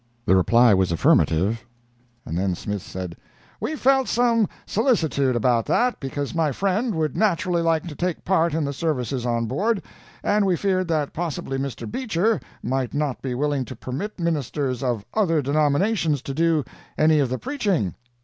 The reply was affirmative, and then Smith said: "We felt some solicitude about that, because my friend would naturally like to take part in the services on board, and we feared that possibly Mr. Beecher might not be willing to permit ministers of other denominations to do any of the preaching."